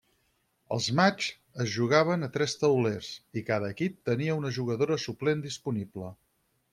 Els matxs es jugaven a tres taulers, i cada equip tenia una jugadora suplent disponible.